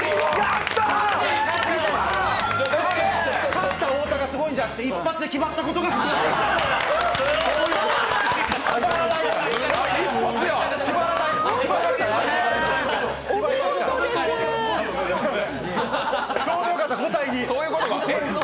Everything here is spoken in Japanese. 勝った太田がすごいんじゃなくて、一発で決まったことがすごいの！